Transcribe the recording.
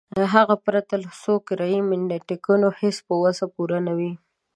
هغه پرته له څو کرایي میټینګونو هیڅ په وس پوره نه وي.